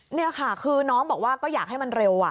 นี่ค่ะคือน้องบอกว่าก็อยากให้มันเร็ว